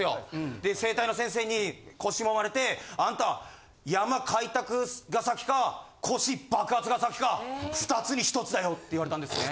で整体の先生に腰揉まれて「あんた山開拓が先か腰爆発が先か２つに１つだよ」って言われたんですね。